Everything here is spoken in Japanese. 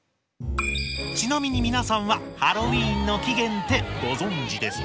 ちなみに皆さんはハロウィーンの起源ってご存じですか？